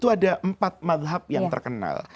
itu ada empat madhab yang terkenal